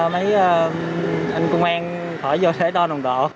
mấy anh công an khỏi vô để đo nồng độ